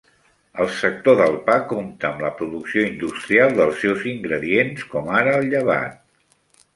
El sector del pa compta amb la producció industrial dels seus ingredients, com ara el llevat.